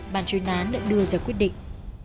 bàn truyền án đã đưa ra quyết định